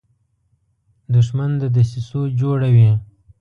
دښمن د دسیسو جوړه وي